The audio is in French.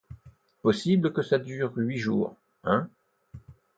Possible que ça dure huit jours, hein?...